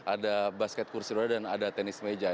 ada basket kursi roda dan ada tenis meja